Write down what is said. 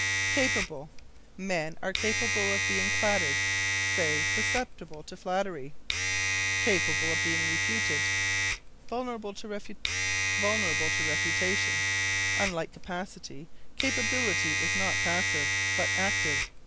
Capable. "Men are capable of being flattered." Say, susceptible to flattery. "Capable of being refuted." Vulnerable to refutation. Unlike capacity, capability is not passive, but active.